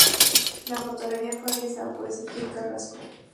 La fotografía fue realizada por Ezequiel Carrasco.